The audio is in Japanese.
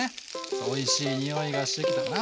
おいしいにおいがしてきたかな。